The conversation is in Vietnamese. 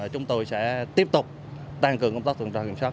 chúng tôi sẽ tiếp tục tăng cường công tác thường trọng kiểm soát